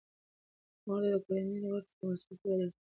مور د کورنۍ غړو ته د مثبت فکر درس ورکوي.